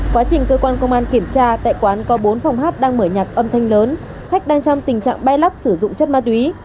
quá trình cơ quan công an kiểm tra tại quán có bốn phòng hát đang mở nhạc âm thanh lớn khách đang trong tình trạng bay lắc sử dụng chất ma túy